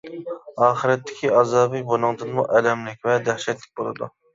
ئاخىرەتتىكى ئازابى بۇنىڭدىنمۇ ئەلەملىك ۋە دەھشەتلىك بولىدۇ.